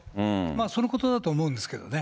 そのことだと思うんですけどね。